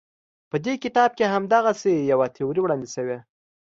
په دې کتاب کې همدغسې یوه تیوري وړاندې شوې.